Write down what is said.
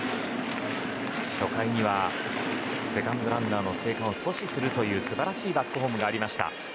初回にはセカンドランナーの生還を阻止する素晴らしいバックホームがありました。